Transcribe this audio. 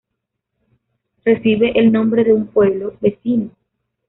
Recibe el nombre de un pueblo vecino.